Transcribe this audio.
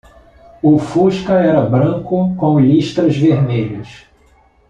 O fusca era branco com listras vermelhas.